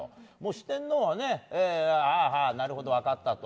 四天王は、なるほど分かったと。